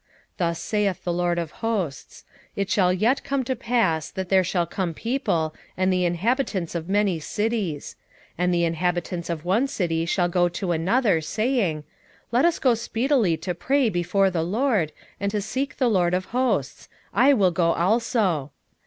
8:20 Thus saith the LORD of hosts; It shall yet come to pass, that there shall come people, and the inhabitants of many cities: 8:21 And the inhabitants of one city shall go to another, saying, Let us go speedily to pray before the LORD, and to seek the LORD of hosts: I will go also.